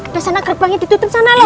ke sana kerbangnya ditutup sana loh